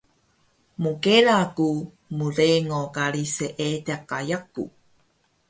Mkela ku mrengo kari Seediq ka yaku